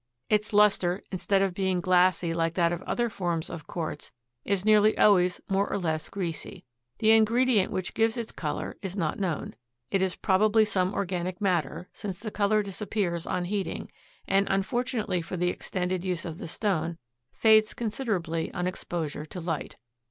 Its luster, instead of being glassy like that of other forms of quartz, is nearly always more or less greasy. The ingredient which gives its color is not known. It is probably some organic matter, since the color disappears on heating and, unfortunately for the extended use of the stone, fades considerably on exposure to light.